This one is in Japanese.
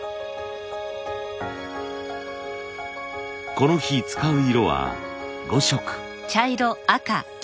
この日使う色は５色。